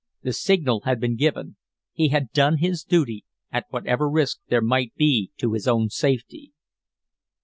The signal had been given. He had done his duty at whatever risk there might be to his own safety.